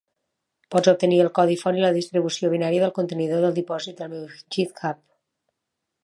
Pots obtenir el codi font i la distribució binària del contenidor del dipòsit del meu github.